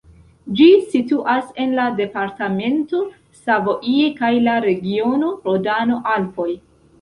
Ĝi situas en la departamento Savoie kaj la regiono Rodano-Alpoj.